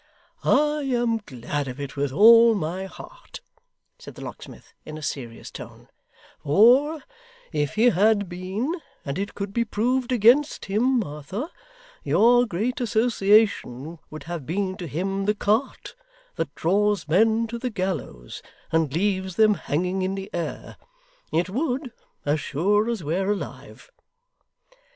'I am glad of it, with all my heart,' said the locksmith in a serious tone; 'for if he had been, and it could be proved against him, Martha, your Great Association would have been to him the cart that draws men to the gallows and leaves them hanging in the air. It would, as sure as we're alive!